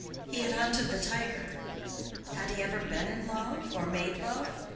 He had hunted the tiger—had he ever been in love or made love?